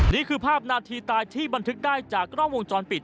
นี่คือภาพนาทีตายที่บันทึกได้จากกล้องวงจรปิด